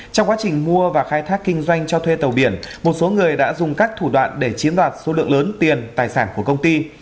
trong quá trình mua và khai thác kinh doanh cho thuê tàu biển một số người đã dùng các thủ đoạn để chiếm đoạt số lượng lớn tiền tài sản của công ty